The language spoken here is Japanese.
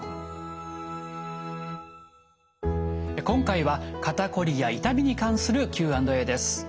今回は肩こりや痛みに関するＱ＆Ａです。